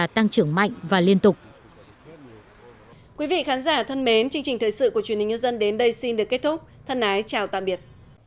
thân ái chào tạm biệt